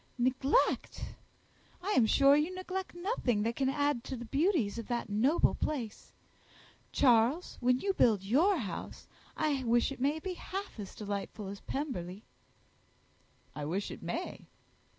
"Neglect! I am sure you neglect nothing that can add to the beauties of that noble place. Charles, when you build your house, I wish it may be half as delightful as Pemberley." "I wish it may."